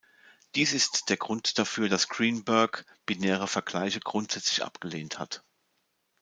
Dies ist der Grund dafür, dass Greenberg binäre Vergleiche grundsätzlich abgelehnt hat.